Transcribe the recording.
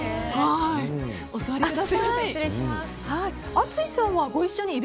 お座りください。